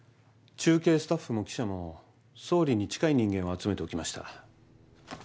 中継スタッフも記者も総理に近い人間を集めておきました。